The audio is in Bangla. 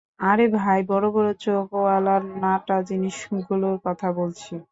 আরে ভাই, বড় বড় চোখওয়ালা নাটা জিনিসগুলোর কথা বলছি।